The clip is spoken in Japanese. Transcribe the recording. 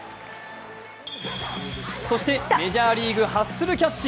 そしてメジャーリーグ、ハッスルキャッチ。